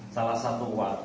tiga bulan ke enam lungguan